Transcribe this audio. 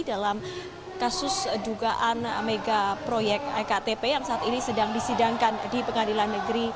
dalam kasus dugaan mega proyek ektp yang saat ini sedang disidangkan di pengadilan negeri